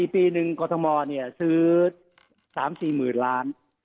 ๔ปีหนึ่งกฎมซื้อ๓๔หมื่นล้าน